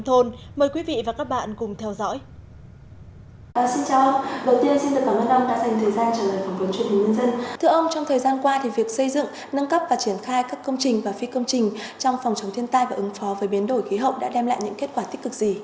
thưa ông trong thời gian qua thì việc xây dựng nâng cấp và triển khai các công trình và phi công trình trong phòng chống thiên tai và ứng phó với biến đổi khí hậu đã đem lại những kết quả tích cực gì